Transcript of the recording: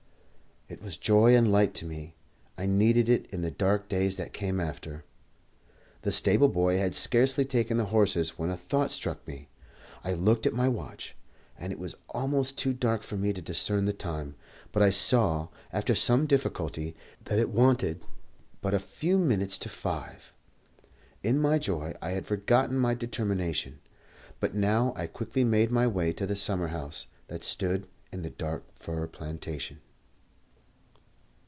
It was joy and light to me, and I needed it in the dark days that came after. The stable boy had scarcely taken the horses when a thought struck me. I looked at my watch, and it was almost too dark for me to discern the time, but I saw, after some difficulty, that it wanted but a few minutes to five. In my joy I had forgotten my determination, but now I quickly made my way to the summer house that stood in the dark fir plantation.